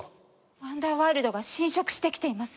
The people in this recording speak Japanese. ワンダーワールドが侵食してきています。